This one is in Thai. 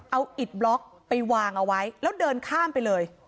เอาอิดบล็อกไปวางเอาไว้แล้วเดินข้ามไปเลย